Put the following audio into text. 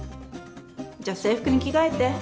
じゃあ制服に着替えて。